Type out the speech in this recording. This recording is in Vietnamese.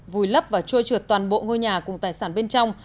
vùi lấp và trôi trượt toàn bộ ngôi nhà cùng tài sản bên trong